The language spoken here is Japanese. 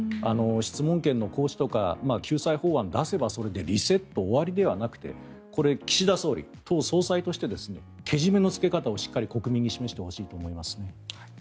質問権の行使とか救済法案を出せばそれでリセット、終わりではなくて岸田総理は党総裁としてけじめのつけ方をしっかり国民に示してもらいたいです。